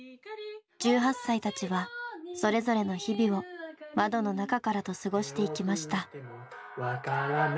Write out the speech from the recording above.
１８歳たちはそれぞれの日々を「窓の中から」と過ごしていきました。